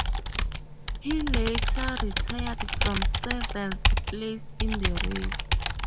He later retired from seventh place in the race.